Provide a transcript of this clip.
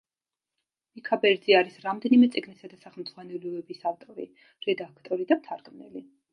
მიქაბერიძე არის რამდენიმე წიგნისა და სახელმძღვანელოების ავტორი, რედაქტორი და მთარგმნელი.